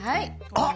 あっ！